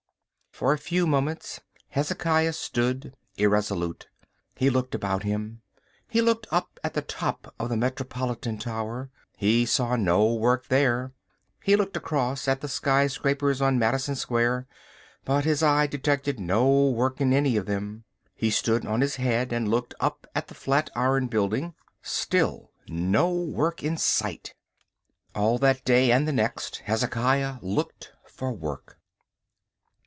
For a few moments Hezekiah stood irresolute. He looked about him. He looked up at the top of the Metropolitan Tower. He saw no work there. He looked across at the skyscrapers on Madison Square, but his eye detected no work in any of them. He stood on his head and looked up at the flat iron building. Still no work in sight. All that day and the next Hezekiah looked for work.